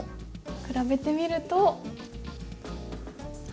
比べてみるとはい。